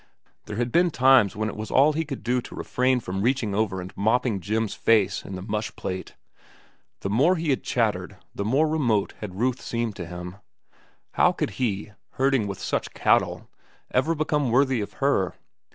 There had been times when it was all he could do to refrain from reaching over and mopping Jim's face in the mush plate. The more he had chattered, the more remote had Ruth seemed to him. How could he, herding with such cattle, ever become worthy of her?